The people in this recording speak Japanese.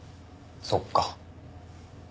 そっか。